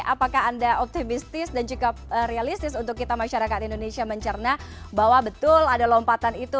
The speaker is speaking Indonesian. apakah anda optimistis dan juga realistis untuk kita masyarakat indonesia mencerna bahwa betul ada lompatan itu